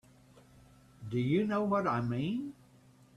Do you know what I mean?